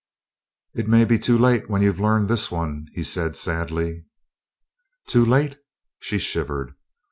"It may be too late when you've learned this one," he said sadly. "Too late!" She shivered.